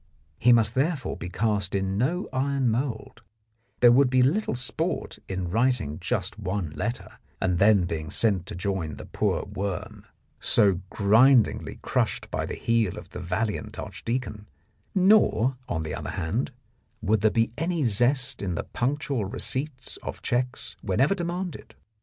He must therefore be cast in no iron mould ; there would be little sport in writing just one letter and then being sent to join the poor worm so grind 39 The Blackmailer of Park Lane ingly crushed by the heel of the valiant archdeacon, nor, on the other hand, would there be any zest in the punctual receipts of cheques whenever demanded.